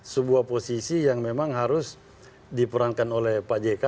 sebuah posisi yang memang harus diperankan oleh pak jk